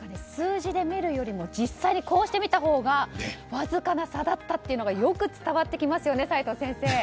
数字で見るより実際にこうして見たほうがわずかな差だったというのがよく伝わってきますね、齋藤先生。